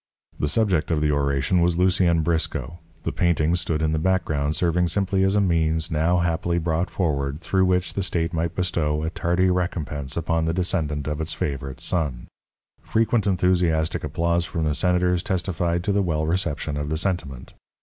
The subject of the oration was Lucien Briscoe; the painting stood in the background serving simply as a means, now happily brought forward, through which the state might bestow a tardy recompense upon the descendent of its favourite son. Frequent enthusiastic applause from the Senators testified to the well reception of the sentiment.